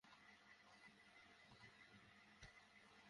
আল্লাহ আপনাকে উত্তম বিনিময় দান করুন।